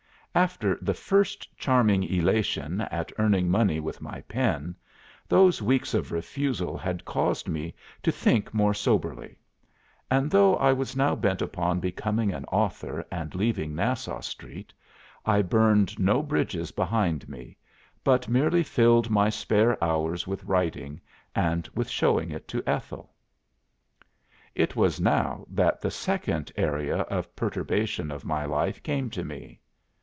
After the first charming elation at earning money with my pen, those weeks of refusal had caused me to think more soberly. And though I was now bent upon becoming an author and leaving Nassau Street, I burned no bridges behind me, but merely filled my spare hours with writing and with showing it to Ethel." "It was now that the second area of perturbation of my life came to me.